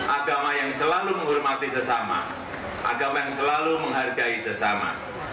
agama yang selalu menghormati sesama agama yang selalu menghargai sesama